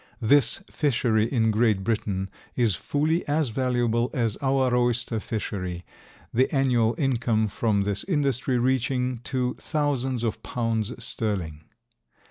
This fishery in Great Britain is fully as valuable as our oyster fishery, the annual income from this industry reaching to thousands of pounds sterling.